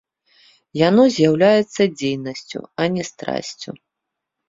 Яно з'яўляецца дзейнасцю, а не страсцю.